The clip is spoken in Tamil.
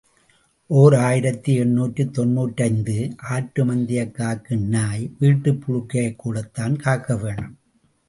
ஓர் ஆயிரத்து எண்ணூற்று தொன்னூற்றைந்து ஆட்டுமந்தையைக் காக்கும் நாய் வீட்டுப் புழுக்கையைக் கூடத்தான் காக்க வேணும்.